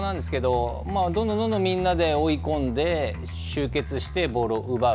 どんどんみんなで追い込んで終結して、ボールを奪う。